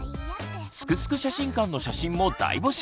「すくすく写真館」の写真も大募集。